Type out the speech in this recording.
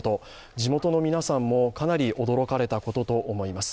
地元の皆さんもかなり驚かれたことと思います。